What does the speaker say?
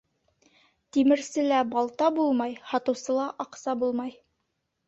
Тимерселә балта булмай, һатыусыла аҡса булмай.